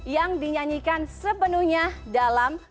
yang dinyanyikan sepenuhnya dalam